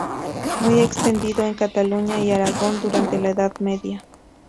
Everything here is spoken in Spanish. Muy extendido en Cataluña y Aragón durante la Edad Media.